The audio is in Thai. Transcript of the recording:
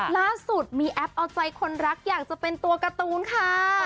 ล่าสุดมีแอปเอาใจคนรักอยากจะเป็นตัวการ์ตูนค่ะ